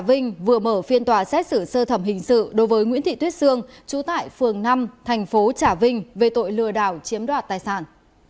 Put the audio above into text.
trà vinh vừa mở phiên tòa xét xử sơ thẩm hình sự đối với nguyễn thị tuyết sương trú tại phường năm thành phố trà vinh về tội lừa đảo chiếm đoạt tài sản